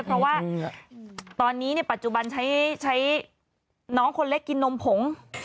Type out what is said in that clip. เพราะว่าตอนนี้ปัจจุบันใช้น้องคนเล็กกินนมผง